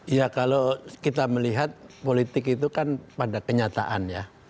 ya kalau kita melihat politik itu kan pada kenyataan ya